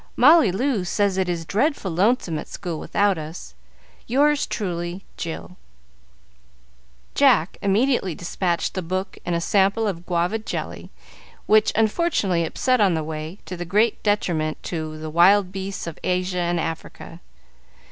Molly Loo says it is dreadful lonesome at school without us. Yours truly, "Jill" Jack immediately despatched the book and a sample of guava jelly, which unfortunately upset on the way, to the great detriment of "The Wild Beasts of Asia and Africa."